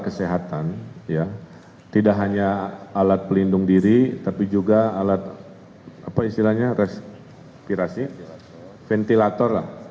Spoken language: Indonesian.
kesehatan ya tidak hanya alat pelindung diri tapi juga alat apa istilahnya respirasi ventilator lah